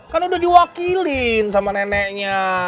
kan udah diwakilin sama neneknya